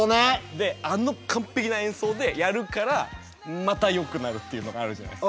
であの完璧な演奏でやるからまたよくなるっていうのがあるじゃないですか。